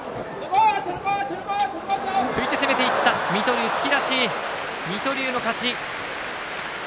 突っ張り、突き出し水戸龍の勝ち。